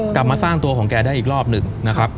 กลับมาสร้างตัวของแกได้อีกรอบหนึ่งนะครับ